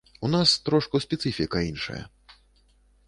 У нас трошку спецыфіка іншая.